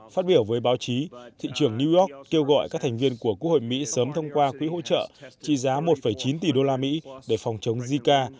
phát biểu với báo chí thị trưởng new york kêu gọi các thành viên của quốc hội mỹ sớm thông qua quỹ hỗ trợ trị giá một chín tỷ đô la mỹ để phòng chống zika